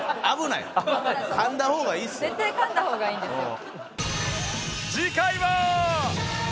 絶対かんだ方がいいんですよ。